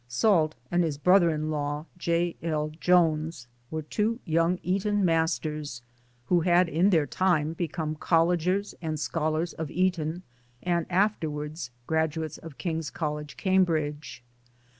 . Salt and his brother in law, J. L. Joynes, were two young Eton masters who had in their time been collegers and scholars of Eton and afterwards graduates of King's College, Cambridge.